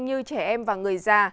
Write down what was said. như trẻ em và người già